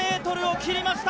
作りました！